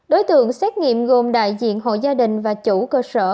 đối tượng xét nghiệm gồm đại diện hội gia đình và chủ cơ sở